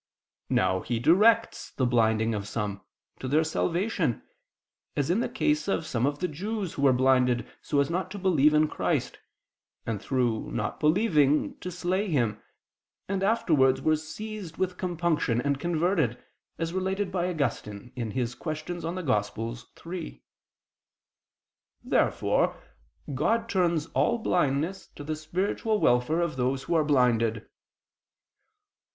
Now He directs the blinding of some, to their salvation, as in the case of some of the Jews, who were blinded so as not to believe in Christ, and, through not believing, to slay Him, and afterwards were seized with compunction, and converted, as related by Augustine (De Quaest. Evang. iii). Therefore God turns all blindness to the spiritual welfare of those who are blinded.